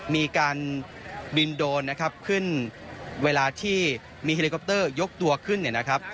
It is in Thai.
มีการบินโดรนนะครับขึ้นเวลาที่มีเฮลิคอปเตอร์ยกตัวขึ้นเนี่ยนะครับ